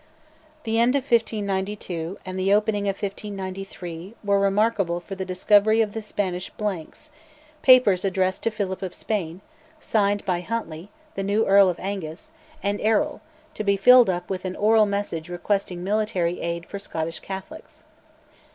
The end of 1592 and the opening of 1593 were remarkable for the discovery of "The Spanish Blanks," papers addressed to Philip of Spain, signed by Huntly, the new Earl of Angus, and Errol, to be filled up with an oral message requesting military aid for Scottish Catholics.